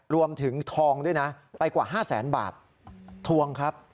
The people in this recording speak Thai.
รวมถึงทองด้วยนะไปกว่า๕แสนบาททวงครับ